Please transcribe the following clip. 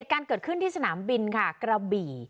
การเกิดขึ้นที่สนามบินค่ะกระบี่